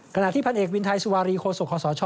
ขณะที่พันธุ์เอกวินไทยสุวารีโคสุขสช